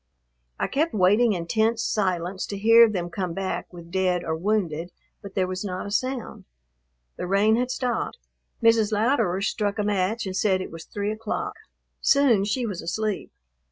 I kept waiting in tense silence to hear them come back with dead or wounded, but there was not a sound. The rain had stopped. Mrs. Louderer struck a match and said it was three o'clock. Soon she was asleep.